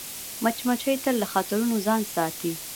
مچمچۍ تل له خطرونو ځان ساتي